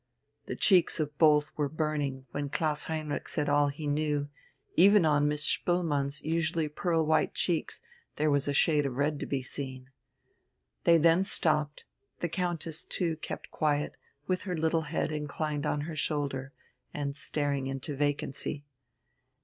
The cheeks of both were burning when Klaus Heinrich had said all he knew even on Miss Spoelmann's usually pearl white cheeks there was a shade of red to be seen. They then stopped, the Countess too kept quiet, with her little head inclined on her shoulder, and staring into vacancy.